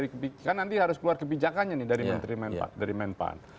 kan nanti harus keluar kebijakannya nih dari menteri dari menpan